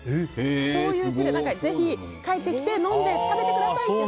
そういう市でぜひ帰ってきて飲んで食べてくださいって。